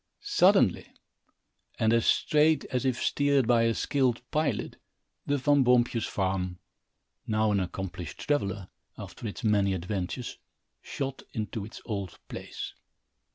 Suddenly, and as straight as if steered by a skilled pilot, the Van Boompjes farm, now an accomplished traveller, after its many adventures, shot into its old place.